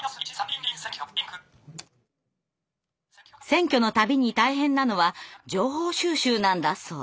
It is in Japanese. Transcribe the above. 選挙の度に大変なのは情報収集なんだそう。